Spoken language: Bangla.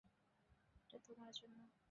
এটা তোমার জন্য।